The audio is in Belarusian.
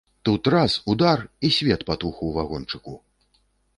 Тут раз, удар, і свет патух у вагончыку.